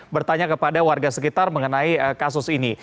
bertanya kepada warga sekitar mengenai kasus ini